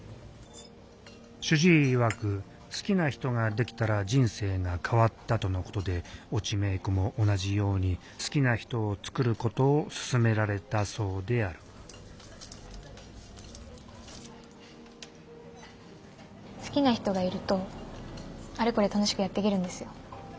主治医いわく好きな人ができたら人生が変わったとのことで越智芽衣子も同じように好きな人をつくることを勧められたそうである好きな人がいるとあれこれ楽しくやっていけるんですよ。